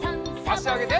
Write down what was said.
あしあげて。